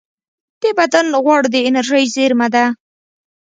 د بدن غوړ د انرژۍ زېرمه ده